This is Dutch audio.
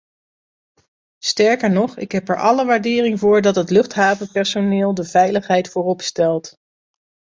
Sterker nog, ik heb er alle waardering voor dat het luchthavenpersoneel de veiligheid vooropstelt.